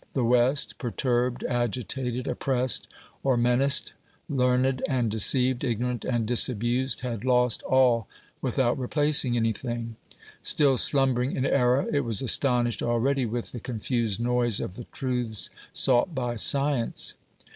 The West, perturbed, agitated, oppressed, or menaced, learned and deceived, ignorant and disabused, had lost all without replacing anything ; still slumbering in error, it was astonished already with the confused noise of the truths sought by science.